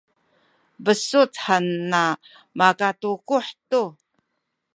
besuc han makatukuh tu